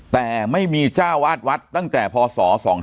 แต่ไม่มีจ้าวาทตั้งแต่พศ๒๕๔๙